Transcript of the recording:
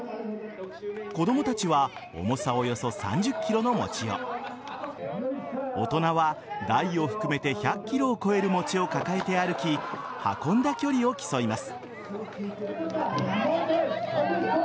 子供たちは重さおよそ３０ｋｇの餅を大人は台を含めて１００ｋｇを超える餅を抱えて歩き運んだ距離を競います。